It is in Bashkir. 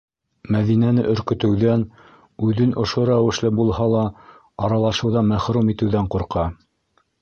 Мәҙинәне өркөтөүҙән, үҙен ошо рәүешле булһа ла аралашыуҙан мәхрүм итеүҙән ҡурҡа.